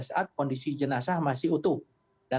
saat kondisi jenazah masih utuh dan